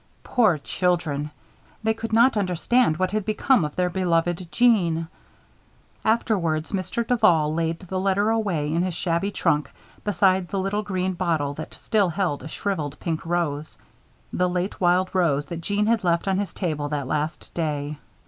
Poor children! they could not understand what had become of their beloved Jeanne. Afterwards, Mr. Duval laid the letter away in his shabby trunk, beside the little green bottle that still held a shriveled pink rose, the late wild rose that Jeanne had left on his table that last day.